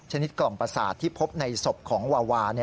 กล่องประสาทที่พบในศพของวาวา